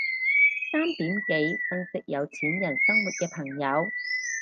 三點幾分析有錢人生活嘅朋友